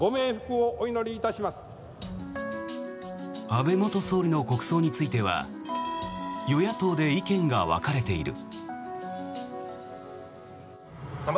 安倍元総理の国葬については与野党で意見が分かれている。